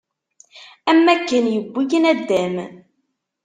Am akken yewwi-k naddam.